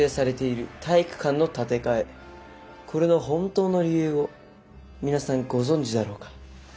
これの本当の理由を皆さんご存じだろうか。